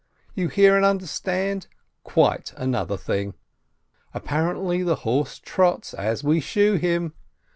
You hear and understand? Quite another thing I Apparently the horse trots as we shoe him.